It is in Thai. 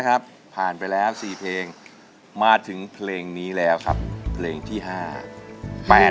ก็จะเป็นเพื่อนของผู้ใช้มัน